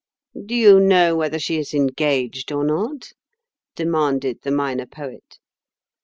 "Do you know whether she is engaged or not?" demanded the Minor Poet.